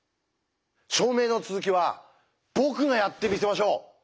証明の続きは僕がやってみせましょう。